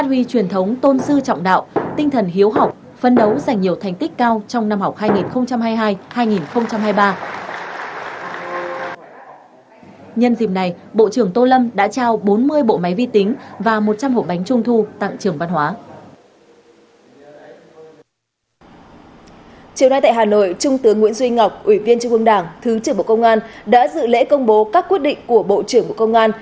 chiều nay tại hà nội trung tướng nguyễn duy ngọc ủy viên trung ương đảng thứ trưởng bộ công an đã dự lễ công bố các quyết định của bộ trưởng bộ công an